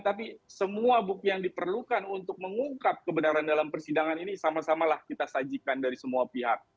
tapi semua bukti yang diperlukan untuk mengungkap kebenaran dalam persidangan ini sama samalah kita sajikan dari semua pihak